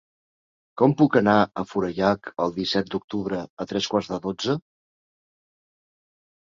Com puc anar a Forallac el disset d'octubre a tres quarts de dotze?